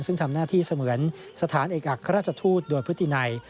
ซึ่งทำหน้าที่เสมือนสถานเอกอัครราชทูตโดยพฤตินัย